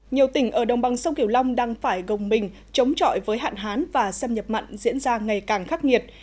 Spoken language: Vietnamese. nhiều tỉnh ở đồng bằng sông kiều long đang phải gồng mình chống chọi với hạn hán và xâm nhập mặn diễn ra ngày càng khắc nghiệt